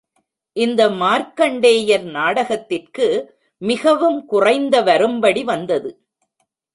இந்த மார்க்கண்டேயர் நாடகத்திற்கு மிகவும் குறைந்த வரும்படி வந்தது.